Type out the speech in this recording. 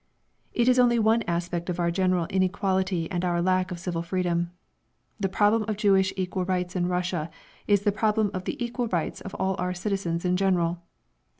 It is only one aspect of our general inequality and of our lack of civil freedom. The problem of Jewish equal rights in Russia is the problem of the equal rights of all our citizens in general.